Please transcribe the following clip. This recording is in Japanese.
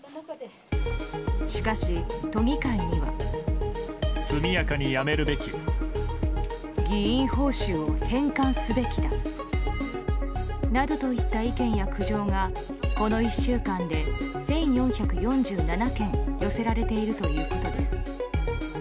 しかし、都議会には。などといった意見や苦情がこの１週間で１４４７件寄せられているということです。